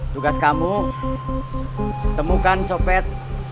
tugas kamu temukan copet